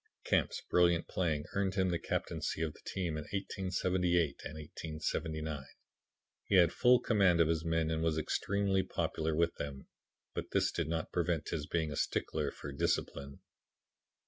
"Camp's brilliant playing earned him the captaincy of the team in 1878 and 1879. He had full command of his men and was extremely popular with them, but this did not prevent his being a stickler for discipline.